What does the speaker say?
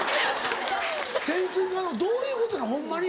潜水艦どういうことなのホンマに。